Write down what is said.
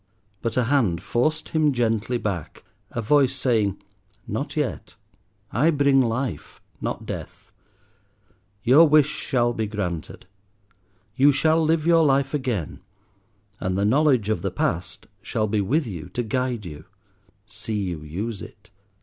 But a hand forced him gently back, a voice saying, "Not yet; I bring life, not death. Your wish shall be granted. You shall live your life again, and the knowledge of the past shall be with you to guide you. See you use it.